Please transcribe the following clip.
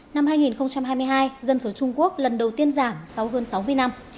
năm hai nghìn hai mươi hai dân số trung quốc lần đầu tiên giảm sau hơn sáu mươi năm